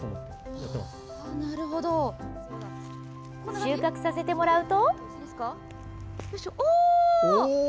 収穫させてもらうと。